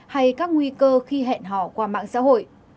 hay các nguy cơ khi hẹn hò qua mạng xã hội